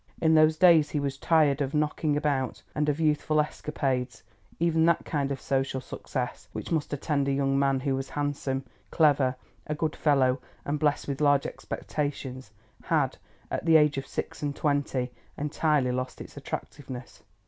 In those days he was tired of knocking about and of youthful escapades; even that kind of social success which must attend a young man who was handsome, clever, a good fellow, and blessed with large expectations, had, at the age of six and twenty, entirely lost its attractiveness.